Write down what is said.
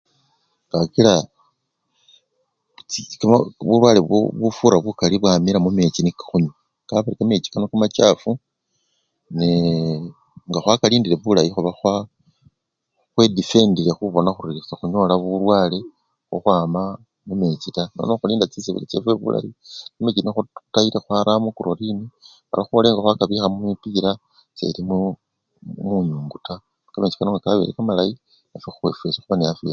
Kakila ka-chi bulwale bufura bukali bwamila mumechi niko khunywa, kabari kamechi kano kamachafu neee nga khwakalindile bulayi khuba khwa khwedifendile khubona khuri sekhunyola bulwale khukhwama mumechi taa, nono khulinde chisebele chefwe bulayi, kamechi kano khwaramo krolini mala khwola engo khwakabikha mumipira seli munyungu taa kamechi kano nga kabele kamalayi nafwe fwesi khunyala khumenya.